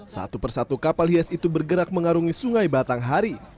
satu persatu kapal hias itu bergerak mengarungi sungai batanghari